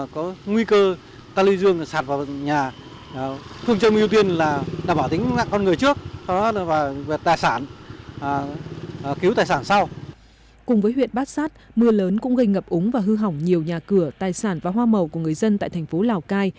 cùng với huyện bát sát mưa lớn cũng gây ngập úng và hư hỏng nhiều nhà cửa tài sản và hoa màu của người dân tại thành phố lào cai